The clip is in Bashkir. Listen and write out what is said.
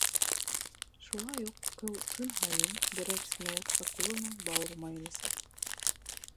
Шулай уҡ ул көн һайын берәр сынаяҡ акуланың бауыр майын эсә.